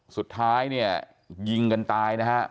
สุดท้ายเนี่ยยิงกันตายนะฮะ